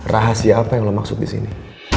rahasia apa yang lo maksud disini